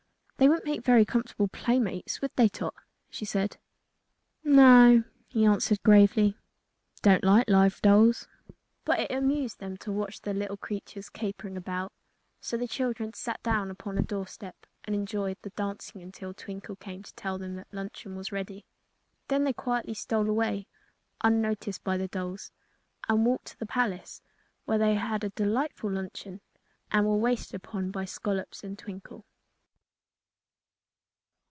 "They wouldn't make very comfortable playmates, would they, Tot?" she said. "No," he answered, gravely; "don't like live dolls." But it amused them to watch the little creatures capering about, so the children sat down upon a door step and enjoyed the dancing until Twinkle came to tell them their luncheon was ready. Then they quietly stole away, unnoticed by the dolls, and walked to the palace, where they had a delightful luncheon and were waited upon by Scollops and Twinkle.